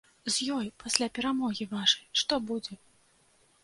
З ёй пасля перамогі вашай, што будзе?